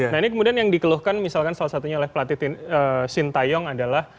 nah ini kemudian yang dikeluhkan misalkan salah satunya oleh pelatih sintayong adalah